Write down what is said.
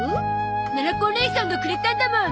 ななこおねいさんがくれたんだもん。